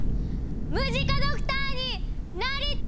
ムジカドクターになりたい！